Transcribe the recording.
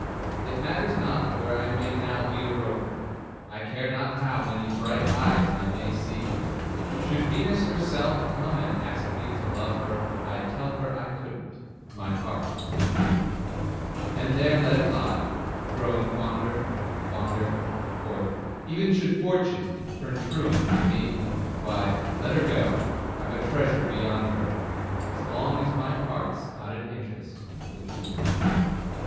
It matters not where I may now be a rover, I care not how many bright eyes I may see; Should Venus herself come and ask me to love her, I'd tell her I couldn't my heart is with thee. And there let it lie, growing fonder and, fonder For, even should Fortune turn truant to me, Why, let her go I've a treasure beyond her, As long as my heart's out at interest With thee!